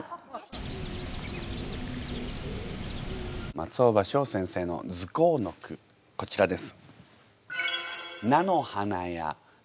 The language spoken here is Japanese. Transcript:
松尾葉翔先生の「ズコー」の句こちらです。